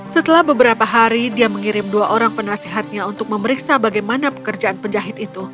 setelah beberapa hari dia mengirim dua orang penasehatnya untuk memeriksa bagaimana pekerjaan penjahit itu